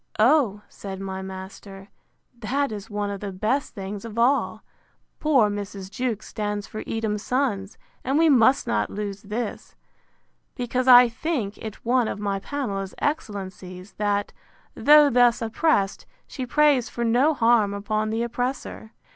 O, said my master, that is one of the best things of all. Poor Mrs. Jewkes stands for Edom's Sons; and we must not lose this, because I think it one of my Pamela's excellencies, that, though thus oppressed, she prays for no harm upon the oppressor.